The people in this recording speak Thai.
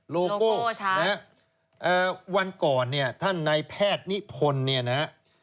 โลโก้วันก่อนเนี่ยท่านนายแพทย์นิพนธ์เนี่ยนะฮะ